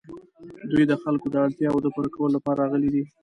دوی د خلکو د اړتیاوو د پوره کولو لپاره راغلي دي.